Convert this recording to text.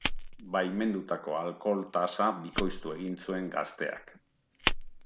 Baimendutako alkohol tasa bikoiztu egin zuen gazteak.